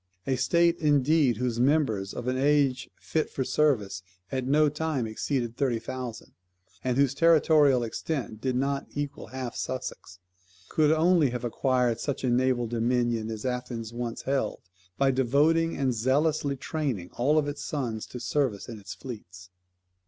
A state indeed whose members, of an age fit for service, at no time exceeded thirty thousand, and whose territorial extent did not equal half Sussex, could only have acquired such a naval dominion as Athens once held, by devoting, and zealously training, all its sons to service in its fleets.